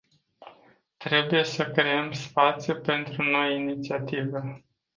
Trebuie să creăm spațiu pentru noi inițiative.